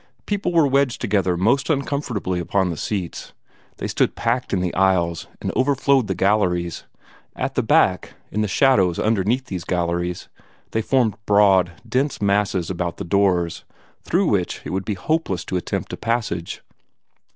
People were wedged together most uncomfortably upon the seats; they stood packed in the aisles and overflowed the galleries; at the back, in the shadows underneath these galleries, they formed broad, dense masses about the doors, through which it would be hopeless to attempt a passage.